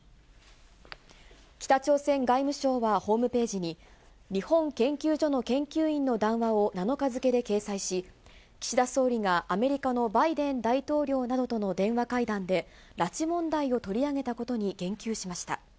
北朝鮮外務省はホームページに、日本研究所の研究員の談話を７日付で掲載し、岸田総理がアメリカのバイデン大統領などとの電話会談で、拉致問題を取り上げたことに言及しました。